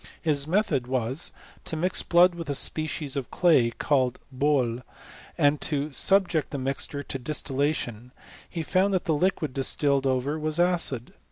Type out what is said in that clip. His method was, to mix blood with a species of clay, called boUy and to subject the mixture to distillation, He found that the liquid distilled ove? was acid.